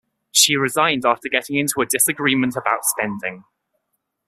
She resigned after getting into a disagreement about spending.